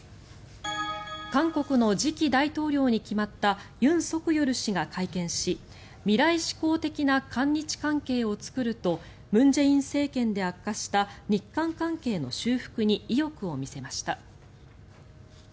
韓国の次期大統領に決まったユン・ソクヨル氏が会見し未来志向的な韓日関係を作ると文在寅政権で悪化した日韓関係の修復に意欲を見せました。